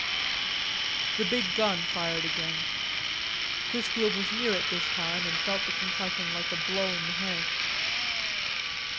The big gun fired again. Chrisfield was near it this time and felt the concussion like a blow in the head.